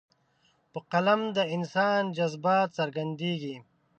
په قلم د انسان جذبات څرګندېږي.